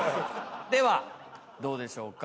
ではどうでしょうか？